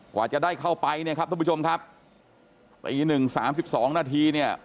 กว่าจะได้เข้าไปทุกผู้ชมครับไปอีกนิดนึง๓๒นาที